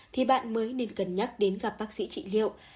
thì bạn mới nên cân nhắc đến gặp bác sĩ trị liệu